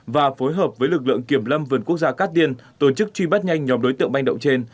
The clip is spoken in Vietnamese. và phối hợp với lực lượng kiểm lâm vườn quốc gia cát tiên tổ chức truy bắt nhanh nhóm đối tượng manh động trên